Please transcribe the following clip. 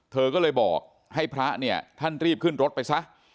เธอก็เลยบอกให้พระเนี่ยท่านรีบขึ้นรถไปซะ